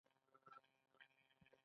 د ټرانزیټ رول څومره مهم دی؟